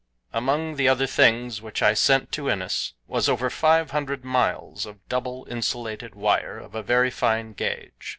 Among the other things which I sent to Innes was over five hundred miles of double, insulated wire of a very fine gauge.